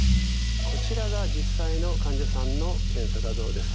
こちらが実際の患者さんの検査画像です。